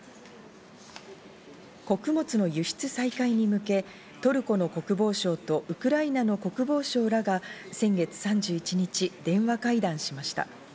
穀物の輸出再開に向け、トルコの国防相とウクライナの国防相らが先月３１日、電話会談しました。